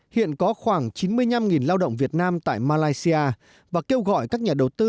hiện có khoảng chín mươi năm lao động việt nam tại malaysia và kêu gọi các nhà đầu tư